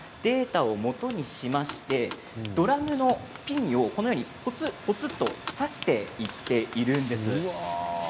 先ほど田添さんが編曲したデータをもとにしましてドラムのピンをぽつぽつと差していっているんです。